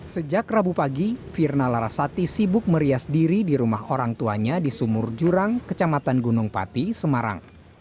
sejak rabu pagi firna larasati sibuk merias diri di rumah orang tuanya di sumur jurang kecamatan gunung pati semarang